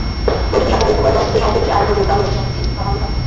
বৈঠকে সভাপতিত্ব করেন অর্পিত সম্পত্তি আইন প্রতিরোধ আন্দোলনের সভাপতি কামাল লোহানী।